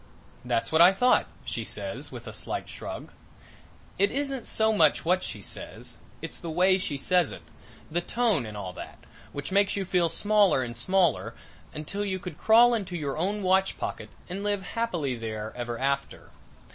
"That's what I thought," she says with a slight shrug. It isn't so much what she says it's the way she says it, the tone and all that, which makes you feel smaller and smaller until you could crawl into your own watch pocket and live happily there ever after.